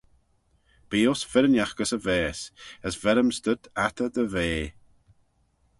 Bee uss firrinagh gys y vaase, as veryms dhyt attey dy vea.